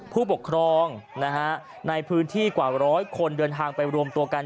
ผู้ปกครองในพื้นที่กว่าร้อยคนเดินทางไปรวมตัวกัน